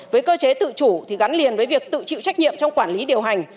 với cơ chế tự chủ thì gắn liền với việc tự chịu trách nhiệm trong quản lý điều hành